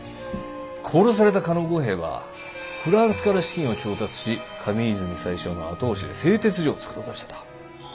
殺された加納五兵衛はフランスから資金を調達し上泉宰相の後押しで製鉄所を作ろうとしてた。